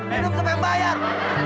hidup sampe membayar